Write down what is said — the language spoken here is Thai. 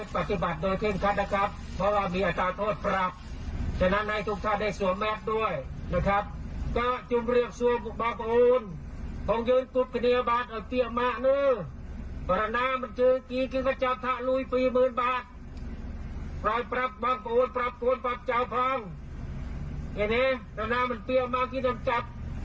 ปรับปรับปรับปรับปรับเจ้าพังเนี้ยเนี้ยด้านหน้ามันเปรี้ยวมากที่ทำจัด